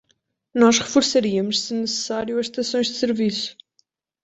Nós reforçaríamos, se necessário, as estações de serviço.